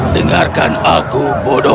dengarkan aku bodoh